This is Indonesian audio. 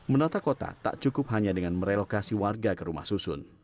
menata kota tak cukup hanya dengan merelokasi warga ke rumah susun